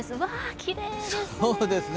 きれいですね。